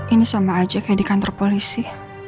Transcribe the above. ini sama aja kayak di kantor polisi